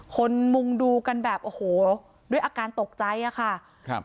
มุงดูกันแบบโอ้โหด้วยอาการตกใจอะค่ะครับ